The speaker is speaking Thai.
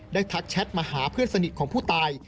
ทักแชทมาหาเพื่อนสนิทของผู้ตาย